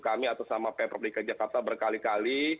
kami atas nama pprpjk jakarta berkali kali